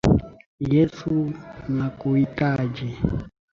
Yesu, nakuhitaji.